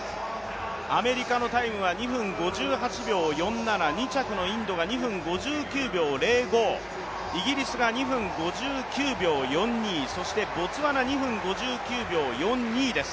アメリカのタイムは２分５８秒４７、２着のインドが２分５９秒０５、イギリスが２分５９秒４２、そしてボツワナ２分５９秒４２です。